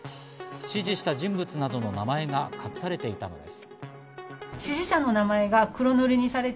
指示した人物などの名前が隠されていたのです。